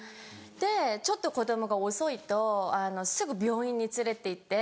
でちょっと子供が遅いとすぐ病院に連れて行って。